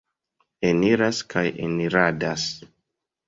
Eniras kaj eniradas.